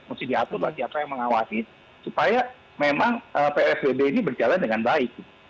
mesti diatur bagi apa yang mengawasi supaya memang psbb ini berjalan dengan baik